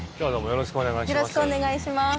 よろしくお願いします。